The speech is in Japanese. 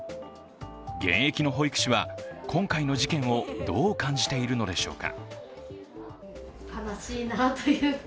現役の保育士は今回の事件をどう感じているのでしょうか。